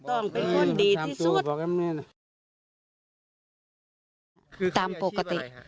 คือเขามีอาชีพอะไรครับ